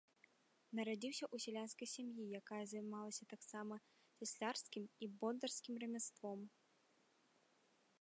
Нарадзіўся ў сялянскай сям'і, якая займалася таксама цяслярскім і бондарскім рамяством.